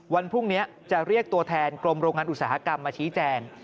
วันพรุ่งนี้จะเรียกตัวแทนกรมโรงงานอุตสาหกรรมมาชี้แจง